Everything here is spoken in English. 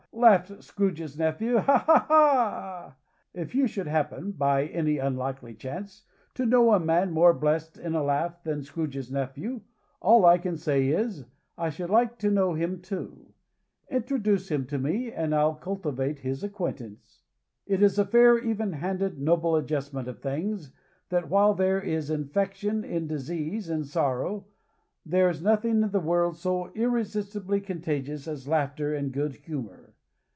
laughed Scrooge's nephew. "Ha! ha! ha!" If you should happen, by any unlikely chance, to know a man more blessed in a laugh than Scrooge's nephew, all I can say is, I should like to know him too. Introduce him to me, and I'll cultivate his acquaintance. It is a fair, even handed, noble adjustment of things that while there is infection in disease and sorrow, there is nothing in the world so irresistibly contagious as laughter and good humor.